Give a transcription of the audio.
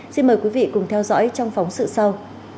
xin mời quý vị cùng theo dõi trong phóng sự sau